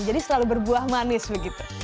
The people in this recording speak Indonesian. jadi selalu berbuah manis begitu